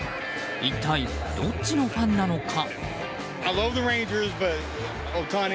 一体どっちのファンなのか。